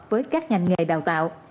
với các ngành nghề đào tạo